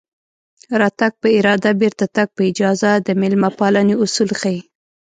راتګ په اراده بېرته تګ په اجازه د مېلمه پالنې اصول ښيي